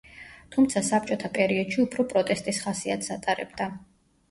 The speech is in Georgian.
თუმცა საბჭოთა პერიოდში უფრო პროტესტის ხასიათს ატარებდა.